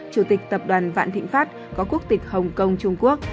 chủ tịch tập đoàn vạn thịnh pháp có quốc tịch hồng kông trung quốc